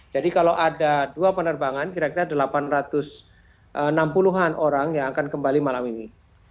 jadi kalau ada dua penerbangan kira kira delapan ratus enam puluh an orang yang akan kembali malam ini